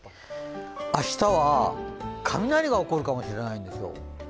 明日は、雷が起こるかもしれないんですよ。